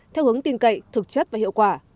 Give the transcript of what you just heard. theo hướng tin cậy thực chất và hiệu quả